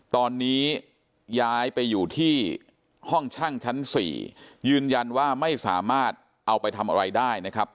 ตอนนี้ย้ายไปอยู่ที่ห้องช่างชั้น๔ยืนยันว่าไม่สามารถเอาไปทำอะไรได้นะครับ